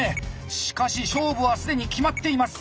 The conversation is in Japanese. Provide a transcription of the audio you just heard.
しかし勝負は既に決まっています。